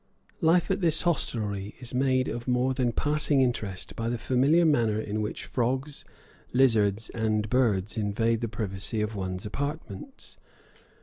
Life at this hostelry is made of more than passing interest by the familiar manner in which frogs, lizards, and birds invade the privacy of one's apartments.